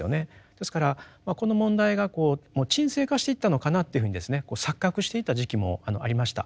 ですからこの問題がもう沈静化していったのかなというふうに錯覚していた時期もありました。